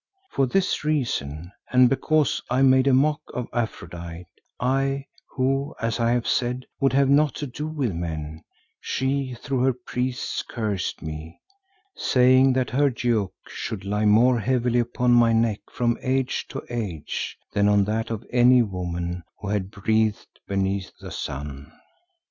For this reason and because I made a mock of Aphrodite, I, who, as I have said, would have naught to do with men, she through her priests cursed me, saying that her yoke should lie more heavily upon my neck from age to age than on that of any woman who had breathed beneath the sun.